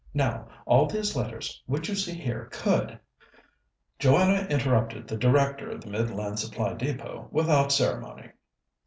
Now, all these letters which you see here could " Joanna interrupted the Director of the Midland Supply Depôt without ceremony.